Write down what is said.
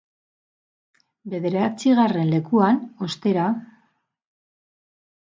Bederatzigarren lekuan, ostera,.